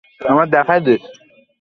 কতো কষ্টে আছে আমার ছেলেটা।